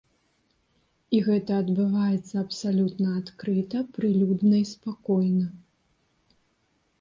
І гэта адбываецца абсалютна адкрыта, прылюдна і спакойна.